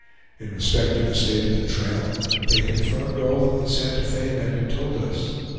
In respect to the state of the trail, they confirmed all that the Santa Fe men had told us.